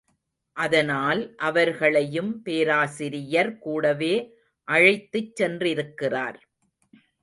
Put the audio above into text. அதனால் அவர்களையும் பேராசிரியர் கூடவே அழைத்துச் சென்றிருக்கிறார்.